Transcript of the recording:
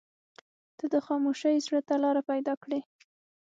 • ته د خاموشۍ زړه ته لاره پیدا کړې.